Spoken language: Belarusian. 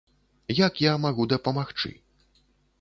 Як я магу дапамагчы?